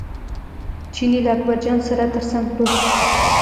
چیني له اکبرجان سره تر څنګ پروت و.